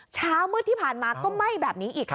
เช้ามืดที่ผ่านมาก็ไหม้แบบนี้อีกค่ะ